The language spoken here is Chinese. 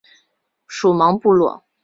属茫部路。